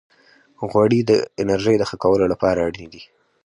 غوړې د انرژۍ د ښه کولو لپاره اړینې دي.